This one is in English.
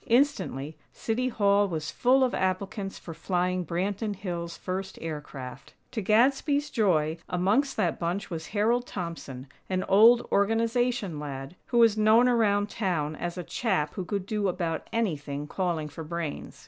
Instantly, City Hall was full of applicants for flying Branton Hills' first aircraft. To Gadsby's joy, amongst that bunch was Harold Thompson, an old Organization lad, who was known around town as a chap who could do about anything calling for brains.